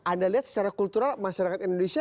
anda lihat secara kultural masyarakat indonesia